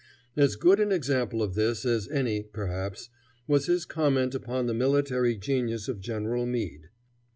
As good an example of this as any, perhaps, was his comment upon the military genius of General Meade.